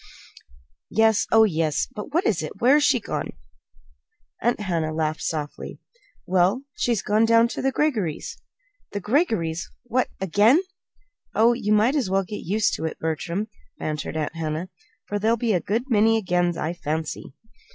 "Yes; oh, yes! But what is it? Where's she gone?" Aunt Hannah laughed softly. "Well, she's gone down to the Greggorys'." "The Greggorys'! What again?" "Oh, you might as well get used to it, Bertram," bantered Aunt Hannah, "for there'll be a good many 'agains,' I fancy."